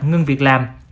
ngưng việc làm